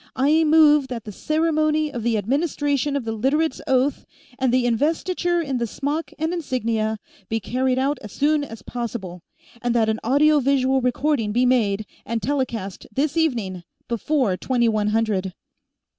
I move that the ceremony of the administration of the Literates' Oath, and the investiture in the smock and insignia, be carried out as soon as possible, and that an audio visual recording be made, and telecast this evening, before twenty one hundred."